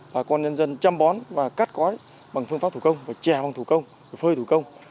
bà con nhân dân chăm bón và cắt cói bằng phương pháp thủ công và chè bằng thủ công phơi thủ công